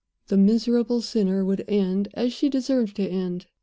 The miserable sinner would end as she had deserved to end.